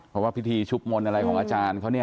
เพราะว่าพิธีชุบมนต์อะไรของอาจารย์เขาเนี่ย